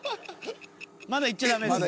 ［まだいっちゃダメですよ］